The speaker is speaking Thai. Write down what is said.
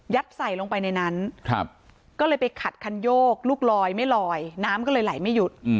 ใส่ลงไปในนั้นก็เลยไปขัดคันโยกลูกลอยไม่ลอยน้ำก็เลยไหลไม่หยุด